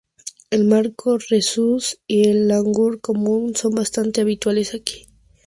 El macaco Rhesus y el langur común son bastante habituales aquí.